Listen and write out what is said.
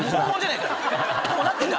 どうなってんだ？